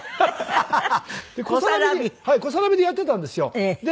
コサラビでやってたんですよ。